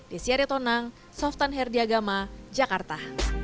desyari tonang softan herdiagama jakarta